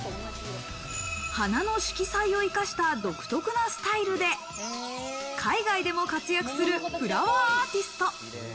花の色彩を生かした独特なスタイルで海外でも活躍するフラワーアーティスト。